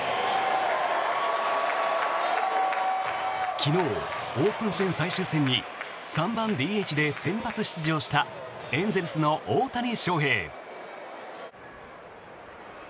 昨日、オープン戦最終戦に３番ＤＨで先発出場したエンゼルスの大谷翔平。